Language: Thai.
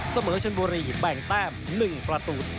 เสมอเชิญบุรีแบ่งแต้ม๑ประตูต่อ๑